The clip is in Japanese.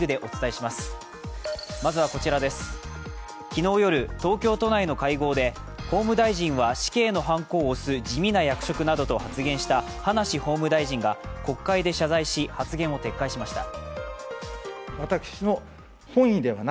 昨日夜、東京都内の会合で「法務大臣は死刑のはんこを押す地味な役職」などと発言した葉梨法務大臣が国会で謝罪し、発言を撤回しました。